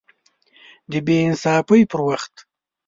د بې انصافۍ پر وخت